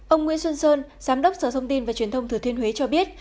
ông nguyễn xuân sơn giám đốc sở thông tin và truyền thông thừa thiên huế cho biết